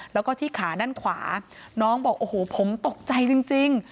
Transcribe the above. แล้วก็ที่ขาด้านขวาน้องบอกโอ้โหผมตกใจจริง